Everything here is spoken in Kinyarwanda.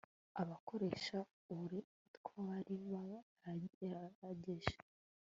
ababakoreshaga uburetwa bari baragerageje